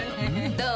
どう？